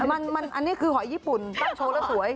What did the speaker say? อันนี้คือหอยญี่ปุ่นตั้งโชว์แล้วสวย